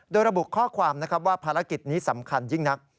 โดยระบุข้อความนะครับว่าภารกิจนี้สำคัญยิ่งนัก